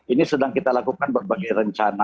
ini sedang kita lakukan berbagai rencana